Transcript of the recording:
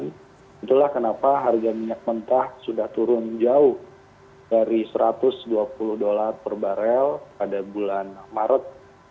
itulah kenapa harga minyak mentah sudah turun jauh dari satu ratus dua puluh dolar per barel pada bulan maret dua ribu dua puluh dua